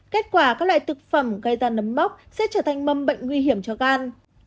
kết quả các loại thực phẩm gây ra nấm mốc sẽ trở thành mầm bệnh nguy hiểm cho gan